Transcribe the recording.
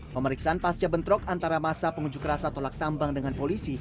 pemeriksaan pasca bentrok antara masa pengunjuk rasa tolak tambang dengan polisi